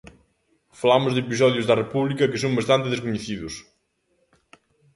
Falamos de episodios da República que son bastante descoñecidos.